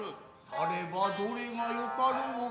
さればどれがよかろうか。